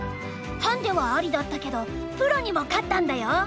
ハンデはありだったけどプロにも勝ったんだよ！